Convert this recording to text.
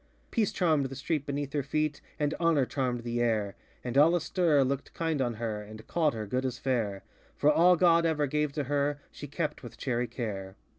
Peace charmŌĆÖd the street beneath her feet, And Honor charmŌĆÖd the air; And all astir looked kind on her, And called her good as fairŌĆö For all God ever gave to her She kept with chary care.